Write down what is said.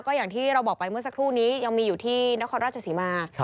ก็อย่างที่เราบอกไปเมื่อสักครู่นี้ยังมีอยู่ที่นครราชศรีมา